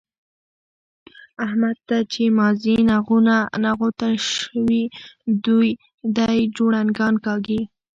احمد ته چې مازي نغوته شوي؛ دی جوړنګان کاږي.